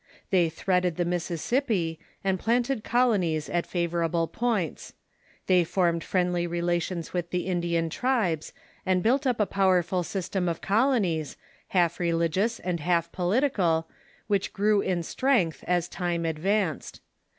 They threaded the Mississippi, and planted colonies at favorable points. They formed friendly relations with the Indian tribes, and built up a powerful sys tem of colonies, half religious and half political, which grew in strength as time advanced.